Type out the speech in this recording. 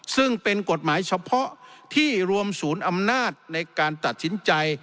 ซึ่งเป็นกฎหมายเฉพาะที่รวมศูนย์อำนาจในการตัดสินใจ